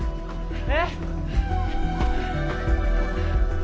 えっ？